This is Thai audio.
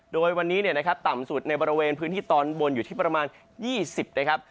โดยวันนี้นะครับต่ำสุดในบริเวณพื้นที่ตอนบนอยู่ที่ประมาณ๒๐นะครับ